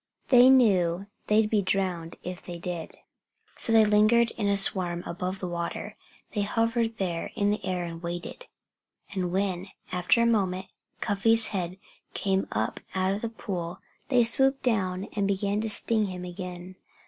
They knew they'd be drowned if they did. So they lingered in a swarm above the water. They hovered there in the air and waited. And when, after a moment, Cuffy's head came up out of the pool, they swooped down and began to sting him again.